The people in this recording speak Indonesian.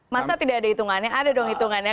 masa tidak ada hitungannya ada dong hitungannya